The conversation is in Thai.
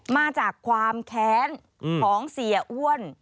มาจากความแค้นของเสียอ้วน